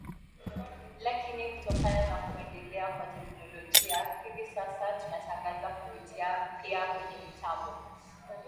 lakini kutokana na kuendelea kwa teknolojia hivi sasa tunatangaza kupitia pia kwenye mitambo